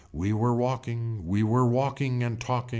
We were walking. We were walking and talking.